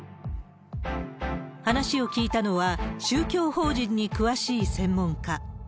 話を聞いたのは、宗教法人に詳しい専門家。